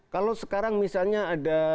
kalau sekarang misalnya ada